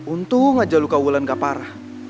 untung aja luka wulan gak parah